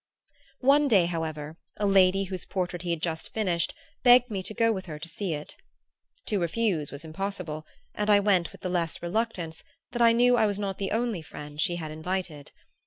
One day, however, a lady whose portrait he had just finished begged me to go with her to see it. To refuse was impossible, and I went with the less reluctance that I knew I was not the only friend she had invited.